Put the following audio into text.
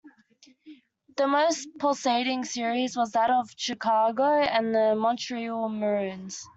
The most pulsating series was that of Chicago and the Montreal Maroons.